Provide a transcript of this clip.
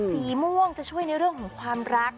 สีม่วงจะช่วยในเรื่องของความรัก